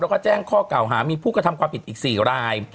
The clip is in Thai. แล้วก็แจ้งข้อเก่าหามีผู้กระทำความผิดอีก๔ราย